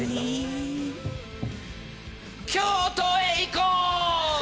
京都へ行こう！